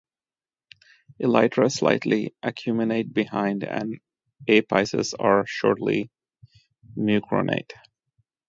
Elytra slightly acuminate behind and apices are shortly mucronate.